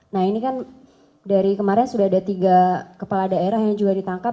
nah ini kan dari kemarin sudah ada tiga kepala daerah yang juga ditangkap